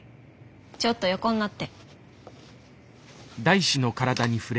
ちょっと横になって。